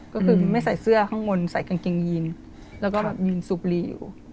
ก็คือไม่ใส่เสื้อข้างบนใส่กางเกงยีนแล้วก็แบบยืนซุบลีอยู่